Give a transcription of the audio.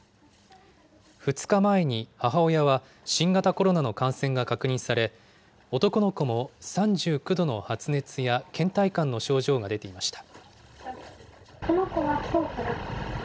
２日前に母親は、新型コロナの感染が確認され、男の子も３９度の発熱やけん怠感の症状が出ていました。